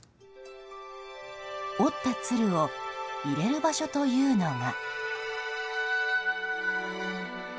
折った鶴を入れる場所というのが。